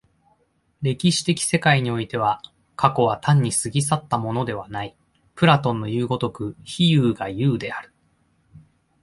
歴史的世界においては、過去は単に過ぎ去ったものではない、プラトンのいう如く非有が有である。